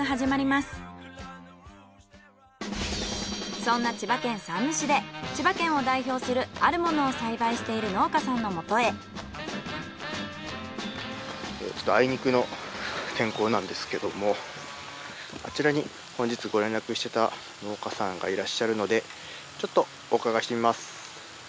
そんな千葉県山武市でちょっとあいにくの天候なんですけどもあちらに本日ご連絡してた農家さんがいらっしゃるのでちょっとお伺いしてみます。